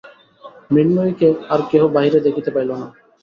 মৃন্ময়ীকে আর কেহ বাহিরে দেখিতে পাইল না।